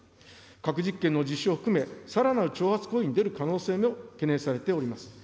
核実験の実施を含め、さらなる挑発行為に出る可能性も懸念されております。